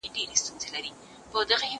که وخت وي، سبزیحات تياروم!؟